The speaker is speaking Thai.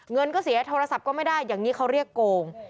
เงินก็เสียโทรศัพท์ก็ไม่ได้อย่างนี้เขาเรียกโกง